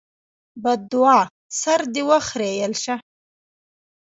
بدوعا: سر دې وخرېيل شه!